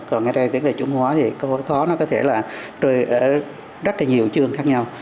còn ngay đây cái đề thi trung hóa thì câu hỏi đó có thể là rơi ở rất là nhiều chương khác nhau